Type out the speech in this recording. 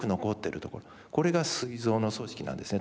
これがすい臓の組織なんですね。